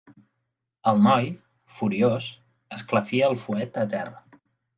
El noi, furiós, esclafí el fuet a terra.